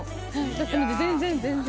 だったので全然全然。